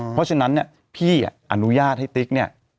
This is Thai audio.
เพราะฉะนั้นเนี่ยพี่อนุญาตให้ติ๊กเนี่ย